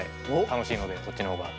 楽しいのでそっちの方が。